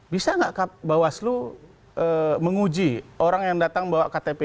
bisa enggak bawaslu menguji orang yang datang bawa ektp itu